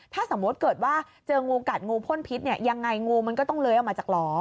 ถ้าสมมุติเกิดว่าเจองูกัดงูพ่นพิษเนี่ยยังไงงูมันก็ต้องเล้ยออกมาจากหล่อ